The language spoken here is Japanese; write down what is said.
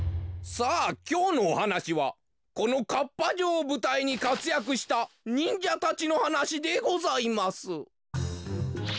さあきょうのおはなしはこのかっぱ城をぶたいにかつやくしたにんじゃたちのはなしでございます。